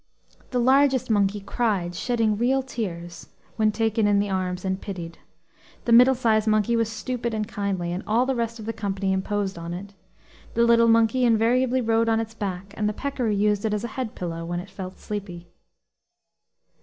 The largest monkey cried, shedding real tears, when taken in the arms and pitied. The middle sized monkey was stupid and kindly, and all the rest of the company imposed on it; the little monkey invariably rode on its back, and the peccary used it as a head pillow when it felt sleepy.